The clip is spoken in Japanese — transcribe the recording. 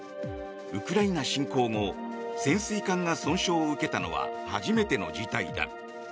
ウクライナ侵攻後潜水艦が損傷を受けたのは初めての事態だ。